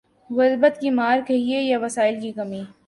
غربت کی مار کہیے یا وسائل کی کمی۔